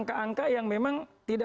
karena manipulasi dan sebagainya